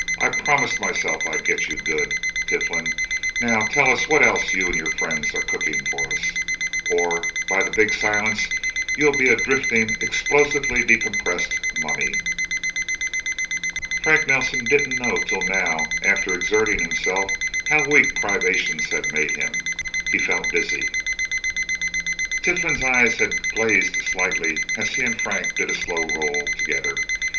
"I promised myself I'd get you good, Tiflin! Now tell us what else you and your friends are cooking for us, or by the Big Silence, you'll be a drifting, explosively decompressed mummy!" Frank Nelsen didn't know till now, after exerting himself, how weak privations had made him. He felt dizzy. Tiflin's eyes had glazed slightly, as he and Frank did a slow roll, together.